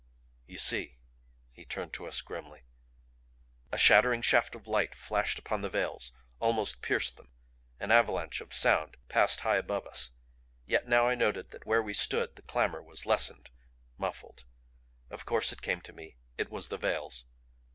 "You see." He turned to us grimly. A shattering shaft of light flashed upon the veils; almost pierced them. An avalanche of sound passed high above us. Yet now I noted that where we stood the clamor was lessened, muffled. Of course, it came to me, it was the veils.